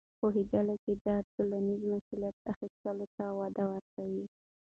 پوهېدل د ټولنیزې مسؤلیت اخیستلو ته وده ورکوي.